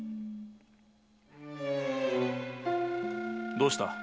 どうした？